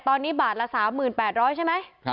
ตอนนี้บาทละ๓๘๐๐ใช่ไหม